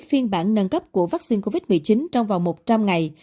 phiên bản nâng cấp của vaccine covid một mươi chín trong vòng một trăm linh ngày